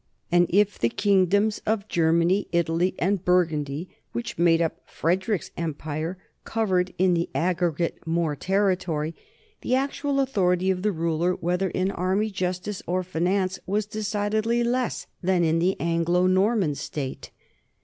And if the kingdoms of Germany, Italy, and Burgundy which made up Frederick's empire covered in the aggregate more territory, the actual au thority of the ruler, whether in army, justice, or finance, was decidedly less than in the Anglo Norman state.